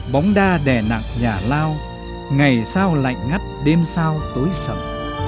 bóng đa đè nặng nhà lao ngày sao lạnh ngắt đêm sao tối sầm